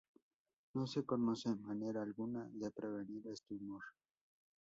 No se conoce manera alguna de prevenir este tumor.